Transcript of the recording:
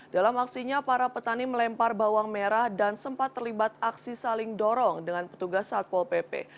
dalam aksinya para petani melempar bawang merah dan sempat terlibat aksi saling dorong dengan petugas satpol pp